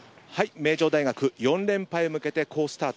名城大学４連覇へ向けて好スタート。